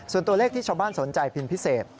ส่วนตัวเลขที่ชาวบ้านสนใจเป็นพิเศษ